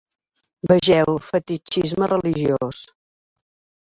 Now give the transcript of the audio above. Vegeu fetitxisme religiós.